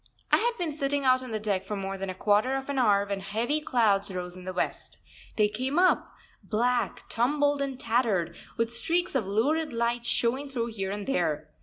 I had been sitting out on the deck for more than a quarter of an hour when heavy clouds rose in the west. They came up, black, tumbled, and tattered, with streaks of lurid light showing through here and there.